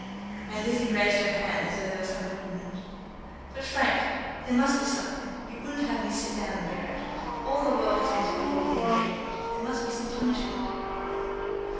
And Lizzie raised her hand as though there were some weapon in it. "But, Frank, there must be something. You wouldn't have me sit down and bear it. All the world has been told of the engagement. There must be some punishment."